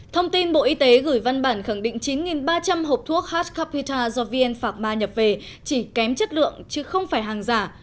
thông tin bộ y tế gửi văn bản khẳng định chín ba trăm linh hộp thuốc h capita do vn phạc ma nhập về chỉ kém chất lượng chứ không phải hàng giả